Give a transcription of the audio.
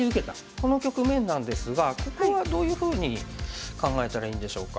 この局面なんですがここはどういうふうに考えたらいいんでしょうか。